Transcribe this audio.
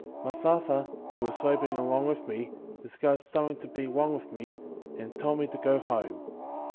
My father, who was laboring along with me, discov ered something to be wrong with me, and told me to go home.